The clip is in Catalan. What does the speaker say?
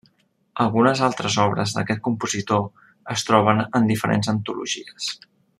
Algunes altres obres d'aquest compositor es troben en diferents antologies.